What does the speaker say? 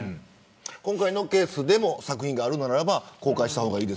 今回のケースでも作品があるならば公開したほうがいい。